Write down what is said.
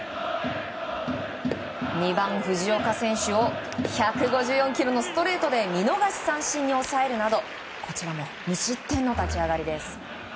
２番、藤岡選手を１５４キロのストレートで見逃し三振に抑えるなどこちらも無失点の立ち上がりです。